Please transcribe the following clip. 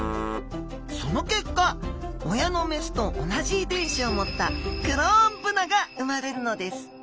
その結果親の雌と同じ遺伝子を持ったクローンブナが生まれるのです！